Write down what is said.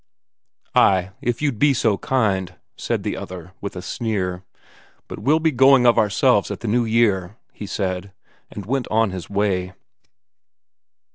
"Ay, if you'd be so kind," said the other, with a sneer. "But we'll be going of ourselves at the new year," he said, and went on his way.